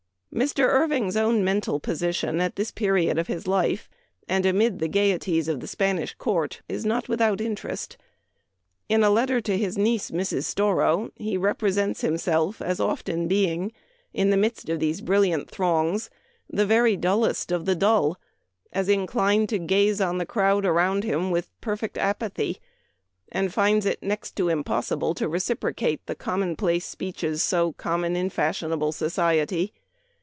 "' Mr. Irving's own mental position at this period of his life, and amid the gayeties of the Spanish court, is not without interest. In a letter to his niece, Mrs. Storrow, he repre sents himself as often being, in the midst of the brilliant throngs, the very dullest of the dull, as inclined to gaze on the crowd around him with perfect apathy, and finds it next to impossible to reciprocate the common place speeches so common in fashionable society.